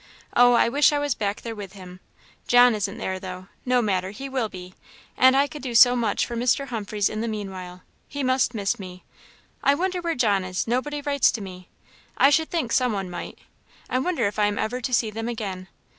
Oh, I wish I was back there with him! John isn't there, though no matter, he will be and I could do so much for Mr. Humphreys in the meanwhile. He must miss me. I wonder where John is nobody writes to me; I should think some one might; I wonder if I am ever to see them again.